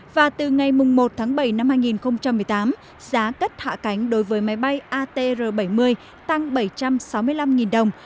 và từ ngày một tháng bảy năm hai nghìn một mươi tám giá cất hạ cánh đối với máy bay atr bảy mươi tăng bảy trăm sáu mươi năm đồng